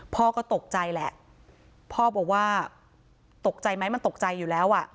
พ่อก็ตกใจแหละพ่อบอกว่าตกใจไหมมันตกใจอยู่แล้วอ่ะ